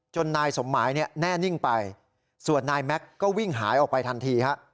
นายสมหมายเนี่ยแน่นิ่งไปส่วนนายแม็กซ์ก็วิ่งหายออกไปทันทีฮะ